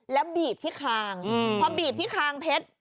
แล้วบีบที่คางพอบีบที่คางเพชร